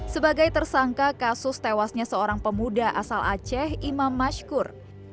sebagai tersangka kasus tewasnya seorang pemuda asal aceh imam mashkur